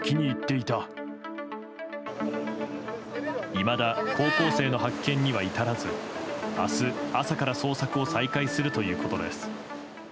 いまだ高校生の発見には至らず明日、朝から捜索を再開するということです。